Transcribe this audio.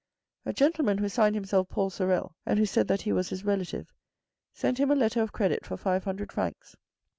A gentleman who signed himself Paul Sorel, and who said that he was his relative, sent him a letter of credit for five hundred francs.